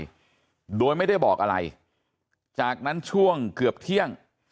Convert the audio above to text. ไปโดยไม่ได้บอกอะไรจากนั้นช่วงเกือบเที่ยง